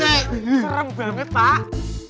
serem banget pak